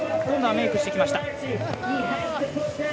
今度はメークしてきました。